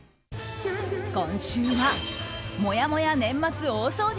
今週はもやもや年末大掃除